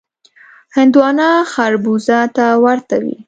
هندوانه خړبوزه ته ورته وي.